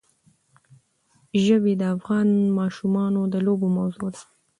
ژبې د افغان ماشومانو د لوبو موضوع ده.